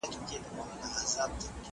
قانون د عدالت لاره هواروي.